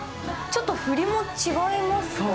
ちょっと振りも違いますか？